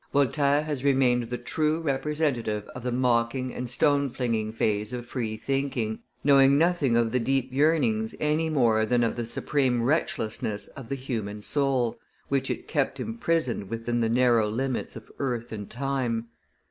Voltaire has remained the true representative of the mocking and stone flinging phase of free thinking, knowing nothing of the deep yearnings any more than of the supreme wretchlessness of the human soul, which it kept imprisoned within the narrow limits of earth and time.